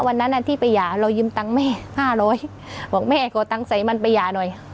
วันนั้นที่ไปหย่าเรายืมตังค์แม่ห้าร้อยบอกแม่ขอตังค์ใส่มันไปหย่าหน่อย